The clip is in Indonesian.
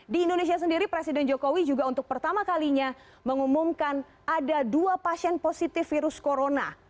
di indonesia sendiri presiden jokowi juga untuk pertama kalinya mengumumkan ada dua pasien positif virus corona